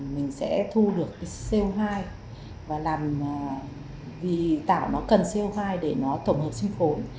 mình sẽ thu được cái co hai và làm vì tạo nó cần co hai để nó tổng hợp sinh phổi